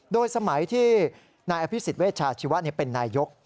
โดยสมัยที่นายพิสิทธิ์เวชชาชีวะเป็นนายยก